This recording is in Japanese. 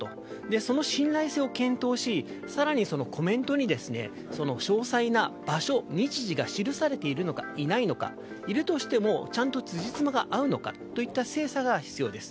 その信頼性を検討し更にコメントに詳細な場所、日時が記されているのかいないのかいるとしても、ちゃんと辻褄が合うのかといった精査が必要です。